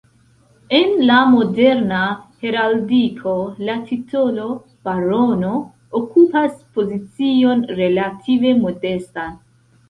En la moderna heraldiko, la titolo “barono” okupas pozicion relative modestan.